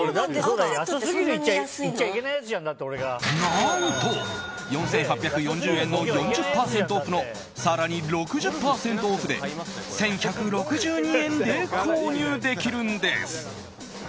何と４８４０円の４０％オフの更に６０％オフで１１６２円で購入できるんです。